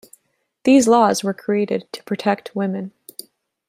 These laws are created to protect women.